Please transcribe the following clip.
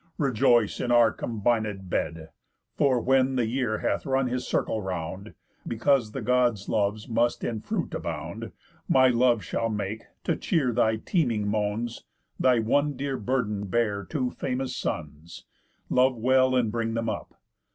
rejoice in our combinéd bed, For when the year hath run his circle round (Because the Gods' loves must in fruit abound) My love shall make, to cheer thy teeming moans, Thy one dear burden bear two famous sons; Love well, and bring them up.